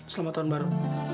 selamat tahun baru